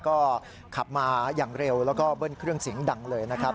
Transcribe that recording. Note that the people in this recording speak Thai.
ก็ขับมาอย่างเร็วแล้วก็เบิ้ลเครื่องเสียงดังเลยนะครับ